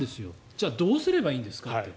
じゃあ、どうすればいいんですかって。